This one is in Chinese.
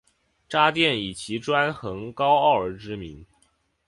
渣甸以其专横高傲而知名。